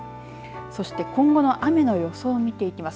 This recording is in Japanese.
そして今後の雨の予想を見ていきます。